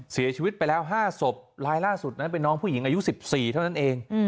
เสียชีวิตไปแล้ว๕ศพลายล่าสุดนั้นเป็นน้องผู้หญิงอายุ๑๔เท่านั้นเอง